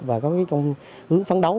và có cái hướng phấn đấu